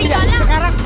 yaudah yuk sekarang